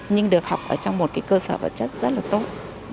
nhưng được học ở trong một cái cơ sở vật chất rất là tốt